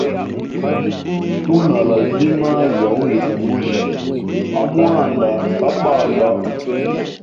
Tunalezina lya umikumbusha a mwanda kapanda.